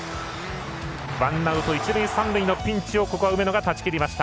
ワンアウト、一塁三塁のピンチをここは梅野が断ち切りました。